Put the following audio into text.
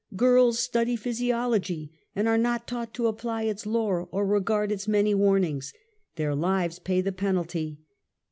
Grirls study physiol ogy and are not taught to apply its lore or regard its many warnings. Their lives pay the penalty.